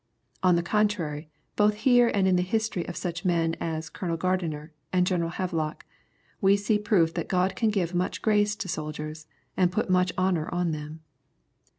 On the contrary, both here and in the history of such men as Colonel Gardiner and General Havelock, we see proof that God can give much grace to soldiers, and put much honor on them.